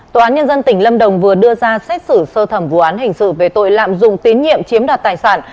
tòa án nhân dân tỉnh lâm đồng vừa đưa ra xét xử sơ thẩm vụ án hình sự về tội lạm dụng tín nhiệm chiếm đoạt tài sản